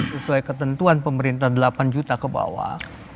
sesuai ketentuan pemerintah delapan juta kebawah